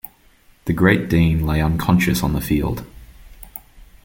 The great Dean lay unconscious on the field.